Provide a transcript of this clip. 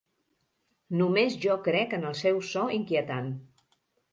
Només jo crec en el seu so inquietant.